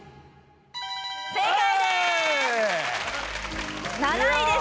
正解です！